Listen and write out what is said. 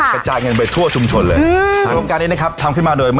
มันก็คือขยะ